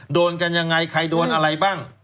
โดนกันยังไงใครโดนอะไรบ้าง